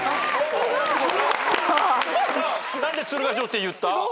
何で「つるが城」って言った？